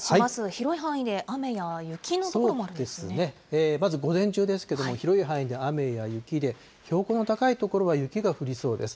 広い範囲で雨や雪の所もあるんでそうですね、まず午前中ですけれども、広い範囲で雨や雪で、標高の高い所は雪が降りそうです。